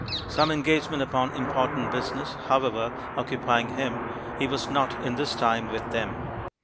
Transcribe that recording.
Some engagement upon important business, however, occupying him, he was not at this time with them.